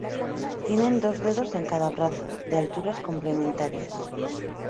Tienen dos dedos en cada brazo, de alturas complementarias.